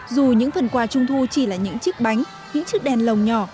dù những phần quà trung thu chỉ là những chiếc bánh những chiếc đèn lồng nhỏ